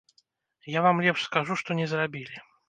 Я вам лепш скажу, што не зрабілі.